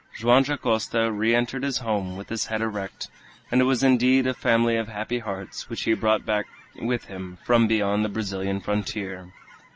Joam Dacosta re entered his home with his head erect, and it was indeed a family of happy hearts which he brought back with him from beyond the Brazilian frontier.